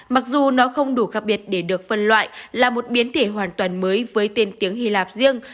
mặc dù nó không đủ khác biệt để được phân loại là một biến thể hoàn toàn mới với tiên tiếng hy lạp riêng